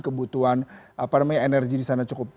kebutuhan energi di sana cukup